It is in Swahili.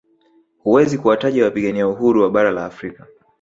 Huwezi kuwataja wapigania uhuru wa bara la Afrika